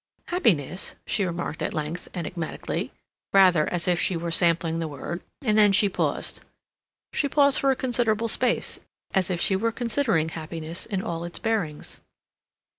"Happiness," she remarked at length enigmatically, rather as if she were sampling the word, and then she paused. She paused for a considerable space, as if she were considering happiness in all its bearings.